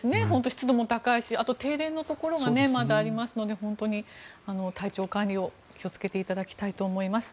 湿度も高いしあと、停電のところがまだありますので本当に体調管理を気をつけていただきたいと思います。